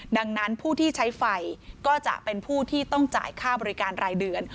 ดังนั้นผู้ที่ใช้ไฟก็จะเป็นผู้ที่ต้องจ่ายค่าบริการรายเดือน